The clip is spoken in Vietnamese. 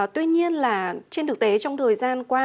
tuy nhiên là trên thực tế trong thời gian qua